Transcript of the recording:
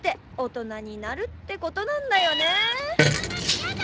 ・そんなのやだ！